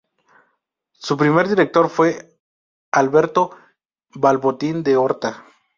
Su primer director fue Alberto Balbontín de Orta.